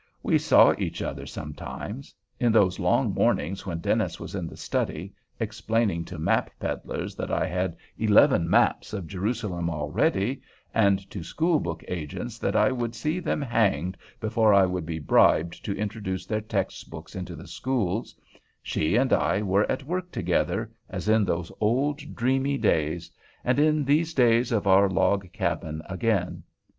We saw each other sometimes. In those long mornings, when Dennis was in the study explaining to map peddlers that I had eleven maps of Jerusalem already, and to school book agents that I would see them hanged before I would be bribed to introduce their textbooks into the schools—she and I were at work together, as in those old dreamy days—and in these of our log cabin again.